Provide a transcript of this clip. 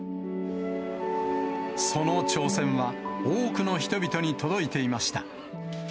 その挑戦は、多くの人々に届いていました。